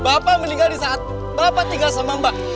bapak meninggal di saat bapak tinggal sama mbak